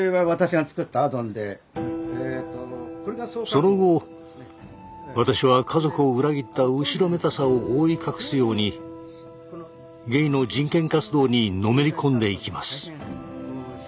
その後私は家族を裏切った後ろめたさを覆い隠すようにゲイの人権活動にのめり込んでいきます。